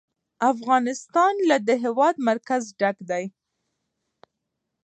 افغانستان له د هېواد مرکز ډک دی.